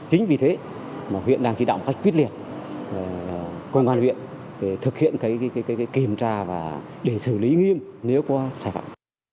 chính vì thế mà huyện đang chỉ đọng cách quyết liệt quân quan huyện để thực hiện kiểm tra và để xử lý nghiêm nếu có sai phạm